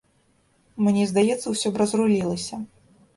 Мне здаецца, усё б разрулілася.